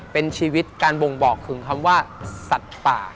เป็นชีวิตการบ่งบอกถึงคำว่าสัตว์ป่า